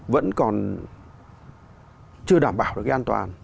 vẫn còn chưa đảm bảo được cái an toàn